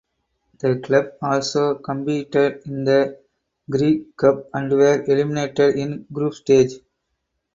The club also competed in the Greek Cup and were eliminated in Group Stage.